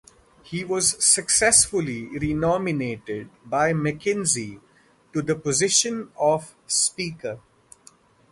He was successfully renominated by Mackenzie to the position of Speaker.